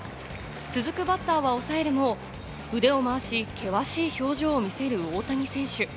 続くバッターは抑えるも、腕を回し、険しい表情を見せる大谷選手。